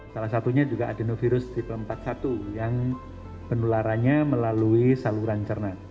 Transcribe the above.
salah satunya juga adenovirus tipe empat puluh satu yang penularannya melalui saluran cerna